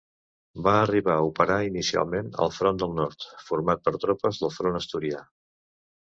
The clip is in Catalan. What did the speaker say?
Va arribar a operar inicialment al front del Nord, format per tropes del front asturià.